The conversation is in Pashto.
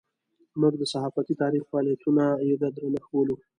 موږ د صحافتي تاریخ فعالیتونه یې د درنښت بولو.